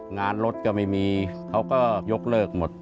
งานรถก็ไม่มีเขาก็ยกเลิกหมด